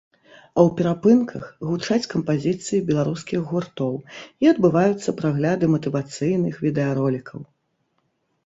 А ў перапынках гучаць кампазіцыі беларускіх гуртоў і адбываюцца прагляды матывацыйных відэаролікаў.